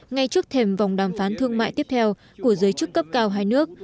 ngay trước thềm vòng đàm phán thương mại tiếp theo của giới chức cấp cao hai nước